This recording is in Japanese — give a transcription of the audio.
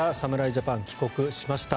ジャパン帰国しました。